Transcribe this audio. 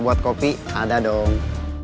buat kopi ada dong